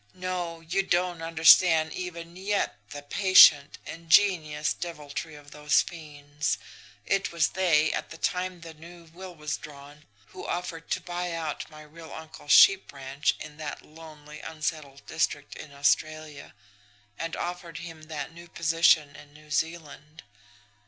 "No; you don't understand, even yet, the patient, ingenious deviltry of those fiends. It was they, at the time the new will was drawn, who offered to buy out my real uncle's sheep ranch in that lonely, unsettled district in Australia, and offered him that new position in New Zealand.